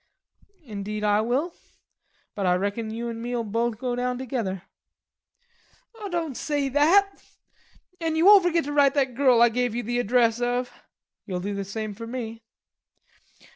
"Indeed I will. But I reckon you an' me'll both go down together." "Don't say that. An' you won't forget to write that girl I gave you the address of?" "You'll do the same for me."